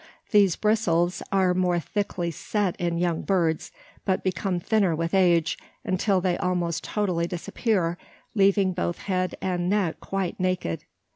These "bristles" are more thickly set in young birds, but become thinner with age, until they almost totally disappear leaving both head and neck quite naked.